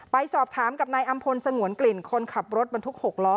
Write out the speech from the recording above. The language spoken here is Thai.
ไปสอบถามกับนายอำพลสงวนกลิ่นคนขับรถบรรทุก๖ล้อ